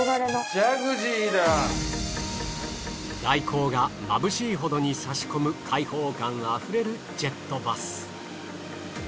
外光がまぶしいほどに差し込む開放感溢れるジェットバス。